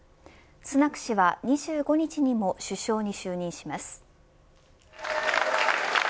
スナク氏は２５日にも首相に就任します。